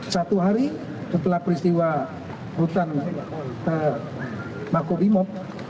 satu hari setelah peristiwa hutan maku grimok